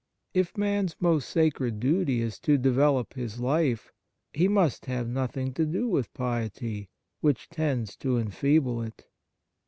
If man's most sacred duty is to de velop his life, he must have nothing to do with piety, which tends to en feeble it.